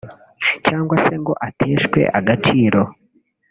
cyangwa se ngo ateshwe agaciro